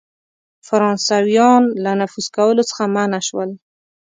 فرانسیویان له نفوذ کولو څخه منع سول.